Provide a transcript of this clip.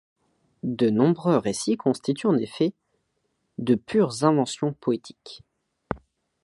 De nombreux récits constituent en effet de pures inventions poétiques.